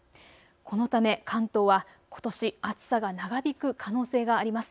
このため関東は、ことし暑さが長引く可能性があります。